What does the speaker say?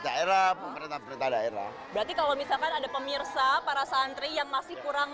daerah pemerintah pemerintah daerah berarti kalau misalkan ada pemirsa para santri yang masih kurang